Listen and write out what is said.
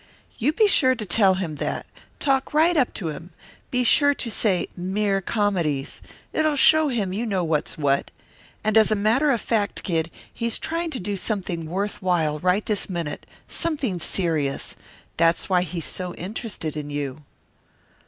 "You be sure to tell him that; talk right up to him. Be sure to say 'mere comedies.' It'll show him you know what's what. And as a matter of fact, Kid, he's trying to do something worth while, right this minute, something serious. That's why he's so interested in you."